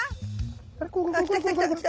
あっ来た来た来た来た。